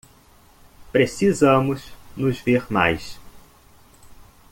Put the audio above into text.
Precisamos nos ver mais